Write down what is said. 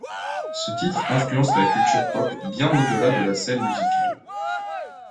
Ce titre influence la culture pop bien au-delà de la scène musicale.